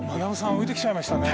置いてきちゃいましたね。